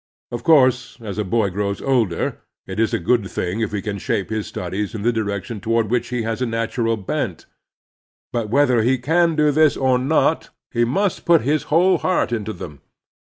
Of course, as a boy grows older it is a good thing if he can shape his studies in the direction toward which he has a nattiral bent ; but whether he can do this or not, he must put his whole heart into them.